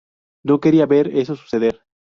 No quería ver eso suceder.